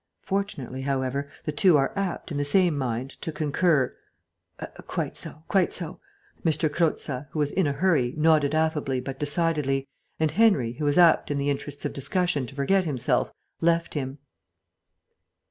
Fortunately, however, the two are apt, in the same mind, to concur " "Quite so, quite so." M. Croza, who was in a hurry, nodded affably but decidedly, and Henry, who was apt, in the interests of discussion, to forget himself, left him.